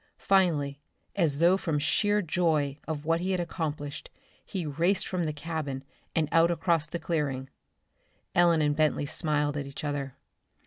Finally, as though from sheer joy of what he had accomplished, he raced from the cabin, and out across the clearing. Ellen and Bentley smiled at each other.